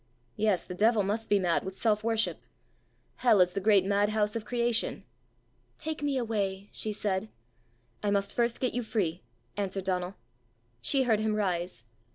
Yes; the devil must be mad with self worship! Hell is the great madhouse of creation!" "Take me away," she said. "I must first get you free," answered Donal. She heard him rise.